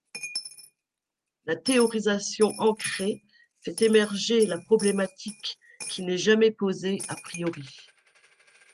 La théorisation ancrée fait émerger la problématique qui n'est jamais posée a priori.